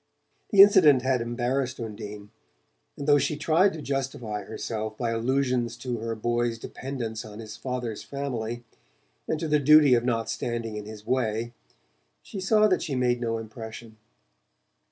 The incident had embarrassed Undine, and though she tried to justify herself by allusions to her boy's dependence on his father's family, and to the duty of not standing in his way, she saw that she made no impression.